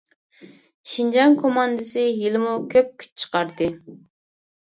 شىنجاڭ كوماندىسى ھېلىمۇ كۆپ كۈچ چىقاردى.